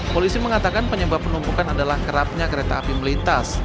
polisi mengatakan penyebab penumpukan adalah kerapnya kereta api melintas